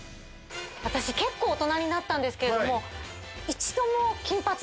私結構大人になったんですけど。